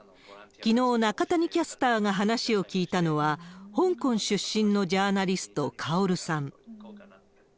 きのう、中谷キャスターが話を聞いたのは、香港出身のジャーナリスト、カオルさん。